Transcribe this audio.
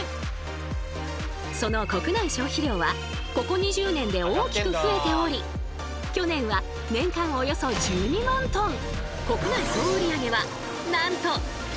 その国内消費量はここ２０年で大きく増えており去年は年間およそ１２万トン。